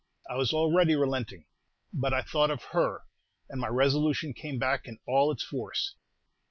I was already relenting; but I thought of her, and my resolution came back in all its force.